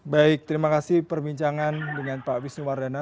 baik terima kasih perbincangan dengan pak wisnu wardana